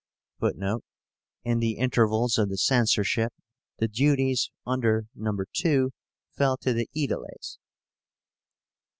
(Footnote: In the intervals of the censorship, the duties under (2) fell to the Aediles.